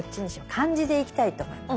漢字でいきたいと思います。